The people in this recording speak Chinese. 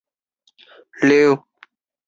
在的代理作品中的甲田写作。